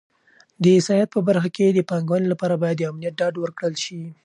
د سیاحت په برخه کې د پانګونې لپاره باید د امنیت ډاډ ورکړل شي.